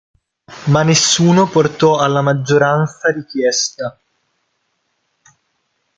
Ma nessuno portò alla maggioranza richiesta.